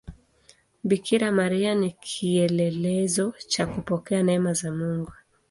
Bikira Maria ni kielelezo cha kupokea neema za Mungu.